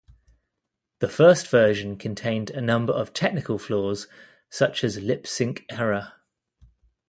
The first version contained a number of technical flaws such as lip-sync error.